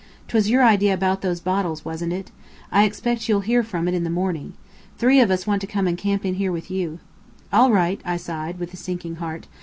'Twas your idea about those bottles, wasn't it? I expect you'll hear from it in the morning! Three of us want to come and camp in here with you." "All right," I sighed, with a sinking heart.